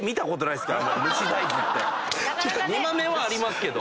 煮豆はありますけど。